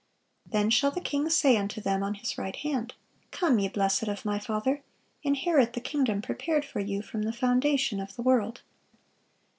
Then shall the King say unto them on His right hand, Come, ye blessed of My Father, inherit the kingdom prepared for you from the foundation of the world."